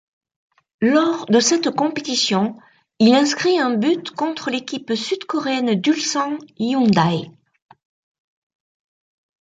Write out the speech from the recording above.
Lors de cette compétition, il inscrit un but contre l'équipe sud-coréenne d'Ulsan Hyundai.